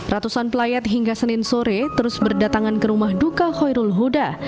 ratusan pelayat hingga senin sore terus berdatangan ke rumah duka khairul huda